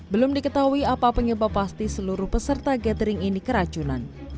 belum diketahui apa penyebab pasti seluruh peserta gathering ini keracunan